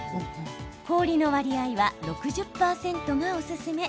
氷の割合は６０％がおすすめ。